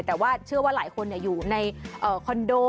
แต่ว่าเชื่อว่าหลายคนอยู่ในคอนโด